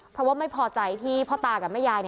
เพราะว่าไม่พอใจที่พ่อตากับแม่ยาย